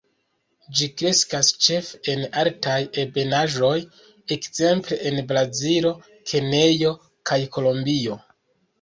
Ĝi kreskas ĉefe en altaj ebenaĵoj, ekzemple, en Brazilo, Kenjo kaj Kolombio.